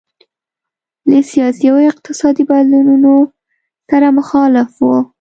له سیاسي او اقتصادي بدلونونو سره مخالف وو.